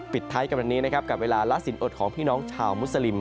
ปิดท้ายกันวันนี้นะครับกับเวลาละสินอดของพี่น้องชาวมุสลิม